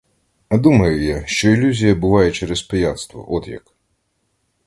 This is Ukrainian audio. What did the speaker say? А думаю я, що ілюзія буває через пияцтво, от як.